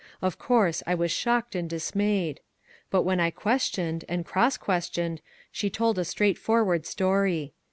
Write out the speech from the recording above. Of course, I was shocked and dismayed. But when I questioned, and cross questioned, she told a straightforward story.